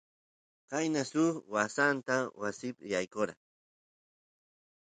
qayna suk apasanka wasipi yaykora